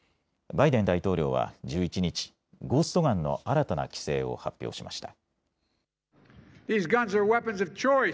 バイデン大統領は１１日、ゴースト・ガンの新たな規制を発表しました。